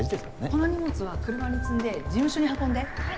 この荷物は車に積んで事務所に運んで。